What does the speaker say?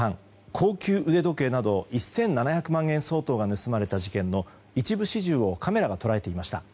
高級腕時計など１７００万円相当が盗まれた事件の一部始終をカメラが捉えていました。